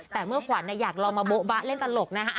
แต่เมื่อขวัญอยากลองมาโบ๊บะเล่นตลกนะฮะ